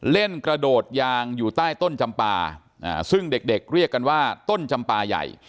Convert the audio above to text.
กระโดดยางอยู่ใต้ต้นจำปาซึ่งเด็กเรียกกันว่าต้นจำปลาใหญ่